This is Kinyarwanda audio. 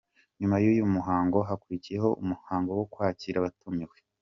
Nyuma y’uyu muhango hakurikiriyeho umuhango wo kwakira abatumiwe.